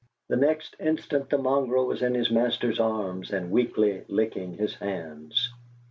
The next instant the mongrel was in his master's arms and weakly licking his hands.